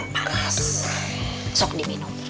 panas sok di minum